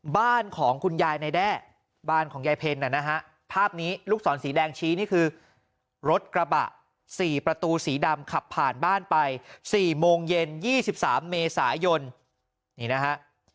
บ้านของคุณยายในแด้บ้านของยายเพ็ญนะฮะภาพนี้ลูกศรสีแดงชี้นี่คือรถกระบะ๔ประตูสีดำขับผ่านบ้านไป๔โมงเย็น๒๓เมษายนนี่นะฮะ